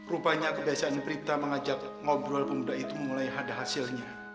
rupanya kebiasaan berita mengajak ngobrol pemuda itu mulai ada hasilnya